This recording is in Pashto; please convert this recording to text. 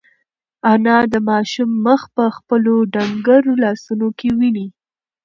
انا د ماشوم مخ په خپلو ډنگرو لاسونو کې ونیو.